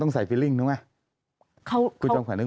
แต่ได้ยินจากคนอื่นแต่ได้ยินจากคนอื่น